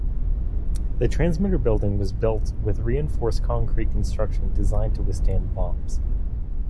The transmitter building was built with reinforced concrete construction designed to withstand bombs.